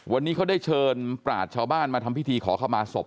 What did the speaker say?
วันนี้เขาได้เชิญปราชชาวบ้านมาทำพิธีขอเข้ามาศพ